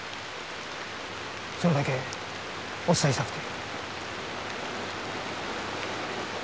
それだけお伝えしたくて。